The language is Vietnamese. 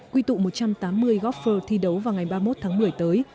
quy tụ một trăm tám mươi golfer thi đấu vào ngày ba mươi một tháng một mươi tới